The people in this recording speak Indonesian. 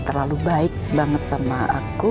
terlalu baik banget sama aku